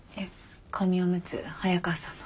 紙おむつ早川さんの。